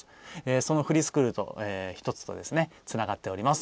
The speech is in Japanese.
そのフリースクールの一つとつながっております。